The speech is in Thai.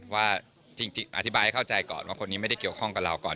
ว่าจริงอธิบายให้เข้าใจก่อนว่าคนนี้ไม่ได้เกี่ยวข้องกับเราก่อน